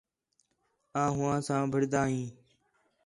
آں ہو ساں بِھڑدا ہیں